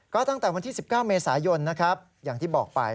ก็ตั้งแต่วันที่๑๙เมษายนนะครับอย่างที่บอกไป